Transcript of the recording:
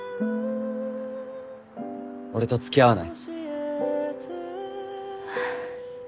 俺と付き合わない？